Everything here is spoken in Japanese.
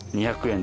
２３０円。